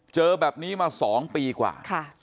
เจอแบบนี้มา๒ปีกว่า